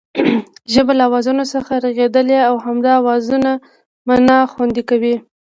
ژبه له آوازونو څخه رغېدلې او همدا آوازونه مانا خوندي کوي